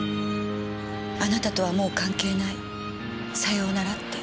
「あなたとはもう関係ない。さようなら」って。